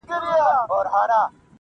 یو له بله کړو پوښتني لکه ښار د ماشومانو-